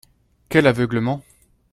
Quel aveuglement